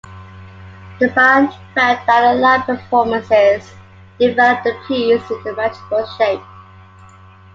The band felt that the live performances developed the piece into a manageable shape.